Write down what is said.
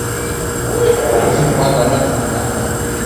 Sus colores oficiales son el blanco y el verde.